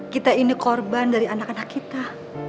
kita ini korban dari anak anak kita